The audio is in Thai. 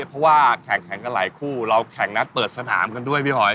เพราะว่าแข่งกันหลายคู่เราแข่งนัดเปิดสนามกันด้วยพี่หอย